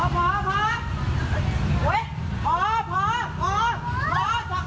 พอสักพอทั้งคู่เลยเป็นคู่